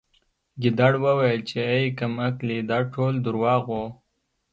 ګیدړ وویل چې اې کم عقلې دا ټول درواغ وو